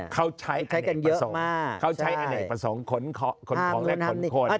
เขาใช้อันเอกประสงค์เขาใช้อันเอกประสงค์คนของและคนคน